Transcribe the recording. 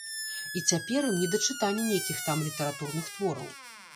І цяпер ім не да чытання нейкіх там літаратурных твораў.